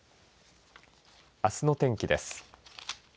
あすの天気です。